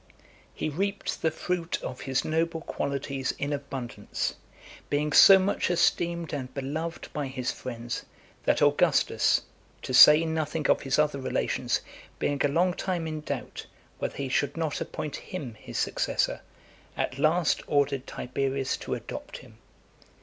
IV. He reaped the fruit of his noble qualities in abundance, being so much esteemed and beloved by his friends, that Augustus (to say nothing of his other relations) being a long time in doubt, whether he should not appoint him his successor, at last ordered Tiberius to adopt him.